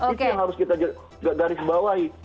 itu yang harus kita garis bawahi